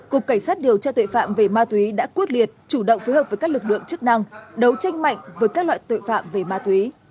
cục cảnh sát điều tra tội phạm về ma túy đã quyết liệt chủ động phối hợp với các lực lượng chức năng đấu tranh mạnh với các loại tội phạm về ma túy